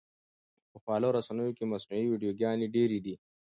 په خواله رسنیو کې مصنوعي ویډیوګانې ډېرې دي.